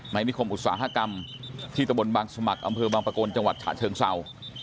นิคมอุตสาหกรรมที่ตะบนบางสมัครอำเภอบางประกลจังหวัดฉะเชิงเศร้า